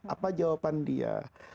apa jawaban dia